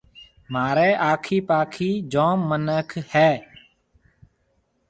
مهاريَ آکي پاکي جوم مِنک هيَ۔